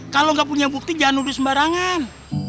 kalau nggak punya bukti jangan nulis sembarangan